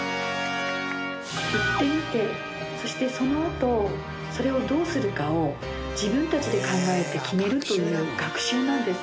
売ってみてそしてそのあとそれをどうするかを自分たちで考えて決めるという学習なんです。